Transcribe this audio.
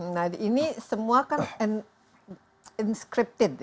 nah ini semua kan inscripted ya